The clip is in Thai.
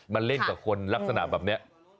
มันเล่นกับคนลักษณะแบบนี้